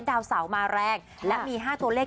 ดาวเสามาแรงและมี๕ตัวเลข